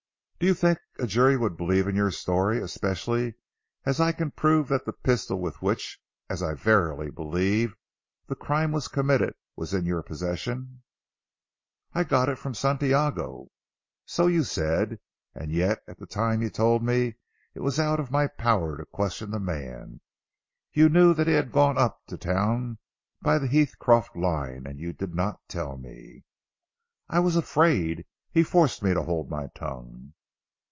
Do you think a jury would believe in your story, especially as I can prove that the pistol with which as I verily believe the crime was committed was in your possession?" "I got it from Santiago." "So you said, and yet at the time you told me, it was out of my power to question the man. You knew that he had gone up to Town by the Heathcroft line, and you did not tell me." "I was afraid. He forced me to hold my tongue."